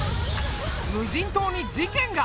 無人島に事件が！